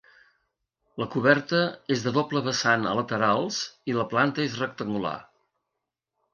La coberta és de doble vessant a laterals i la planta és rectangular.